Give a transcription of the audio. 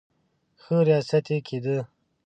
ښه ریاست یې کېدی.